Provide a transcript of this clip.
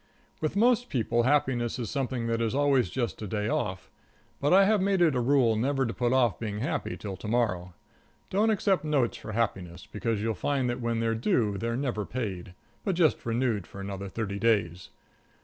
With most people happiness is something that is always just a day off. But I have made it a rule never to put off being happy till to morrow. Don't accept notes for happiness, because you'll find that when they're due they're never paid, but just renewed for another thirty days.